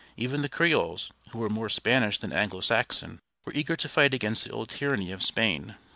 Even the Creoles, who were more Spanish than Anglo Saxon, were eager to fight against the old tyranny of Spain.